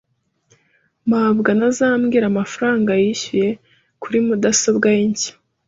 mabwa ntazambwira amafaranga yishyuye kuri mudasobwa ye nshya.